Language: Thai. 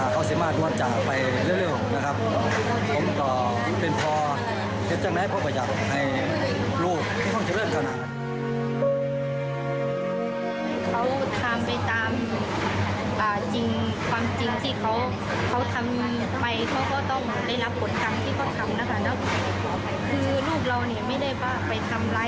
เค้าทำไปตามความจริงที่เค้าทำไปเค้าก็ต้องได้รับผลกรรมที่เค้าทำนะคะ